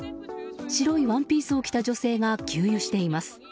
白いワンピースを着た女性が給油しています。